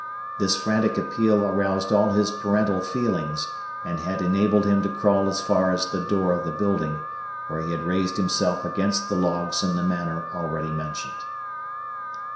This frantic appeal aroused all his parental feelings, and had enabled him to crawl as far as the door of the building, where he had raised himself against the logs in the manner already mentioned.